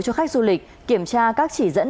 cho khách du lịch kiểm tra các chỉ dẫn